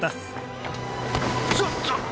ちょっと！